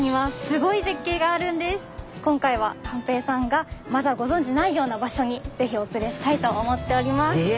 今回は寛平さんがまだご存じないような場所にぜひお連れしたいと思っております。